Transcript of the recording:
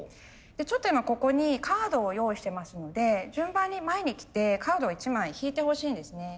ちょっと今ここにカードを用意してますので順番に前に来てカードを１枚引いてほしいんですね。